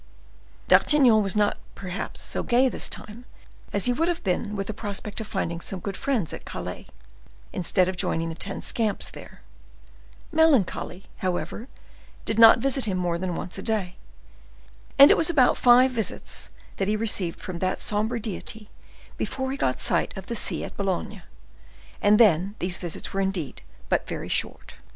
D'Artagnan was not perhaps so gay this time as he would have been with the prospect of finding some good friends at Calais, instead of joining the ten scamps there; melancholy, however, did not visit him more than once a day, and it was about five visits that he received from that somber deity before he got sight of the sea at Boulogne, and then these visits were indeed but short.